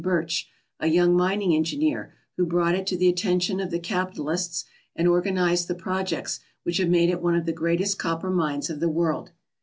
Birch, a young mining engineer, who brought it to the attention of the capitalists and organized the projects which have made it one of the greatest copper mines of the world.